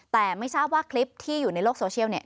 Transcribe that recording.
แต่ไม่ทราบว่าคลิปที่อยู่ในโลกโซเชียลเนี่ย